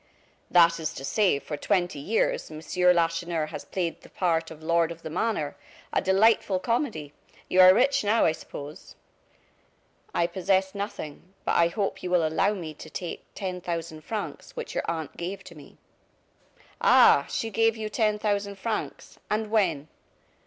"That is to say, for twenty years, Monsieur Lacheneur has played the part of lord of the manor. A delightful comedy. You are rich now, I suppose." "I possess nothing. But I hope you will allow me to take ten thousand francs, which your aunt gave to me." "Ah! she gave you ten thousand francs? And when?"